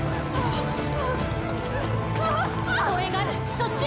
そっちへ！